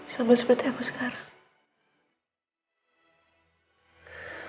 sama seperti aku sekarang